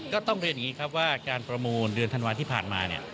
ก็ต้องเรียนอย่างนี้ครับว่าการประมูลเดือนธันวาที่ผ่านมาเนี่ย